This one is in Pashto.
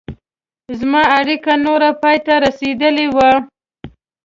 زما اړیکه نوره پای ته رسېدلې وه.